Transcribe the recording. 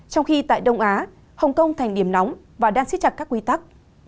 trong khi tại đông á hồng kông thành điểm nóng và đang siết chặt các quy tắc